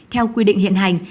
theo quy định hiện hành